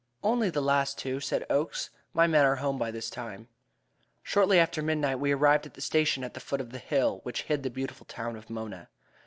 "Only the last two," said Oakes; "my men are home by this time." Shortly after midnight we arrived at the station at the foot of the hill which hid the beautiful town of Mona.